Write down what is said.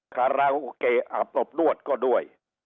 คาราโอเกะอาบอบนวดก็ด้วย